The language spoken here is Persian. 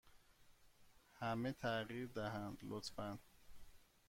همه تغییر دهند، لطفا.